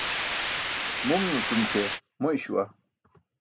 Mumimu cum ke moy śuwa.